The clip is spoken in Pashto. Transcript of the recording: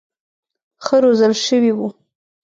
ښه روزل شوي وو.